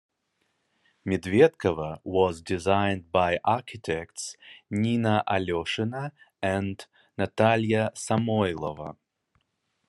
Medvedkovo was designed by architects Nina Aleshina and Natalya Samoilova.